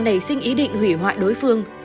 mà nảy sinh ý định hủy hoại đối phương